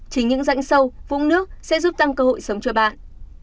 chính những rãnh sâu phung nước sẽ giúp tăng cơ hội sống cho bạn